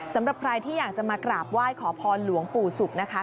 สำหรับใครที่อยากจะมากราบไหว้ขอพรหลวงปู่ศุกร์นะคะ